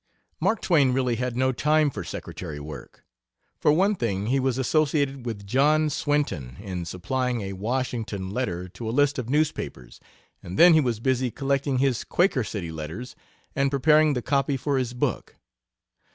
Mark Twain really had no time for secretary work. For one thing he was associated with John Swinton in supplying a Washington letter to a list of newspapers, and then he was busy collecting his Quaker City letters, and preparing the copy for his book.